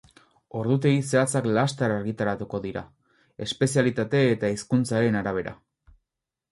Ordutegi zehatzak laster argitaratuko dira, espezialitate eta hizkuntzaren arabera.